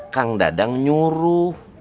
kang dadang nyuruh